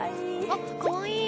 あっかわいい。